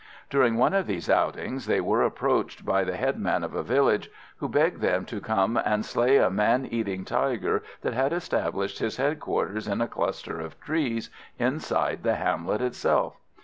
During one of these outings they were approached by the headman of a village, who begged them to come and slay a man eating tiger that had established his headquarters in a cluster of trees inside the hamlet itself.